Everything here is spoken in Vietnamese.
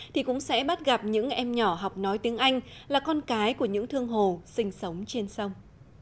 thì cũng sẽ bắt gặp những em nhỏ học nói tiếng anh là con cái của những thương hồ sinh sống trên sông